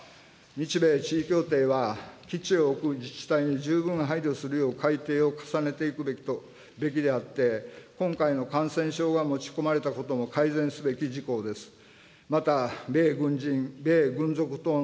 日米地位協定は、基地を置く自治体に十分配慮するよう改定を重ねていくべきであって、今回の感染症が持ち込まれたことも改善すべき事項です。